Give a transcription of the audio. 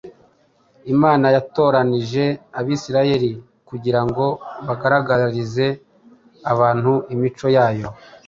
Imana yatoranyije Abisiraheli kugira ngo bagaragarize abantu imico yayo.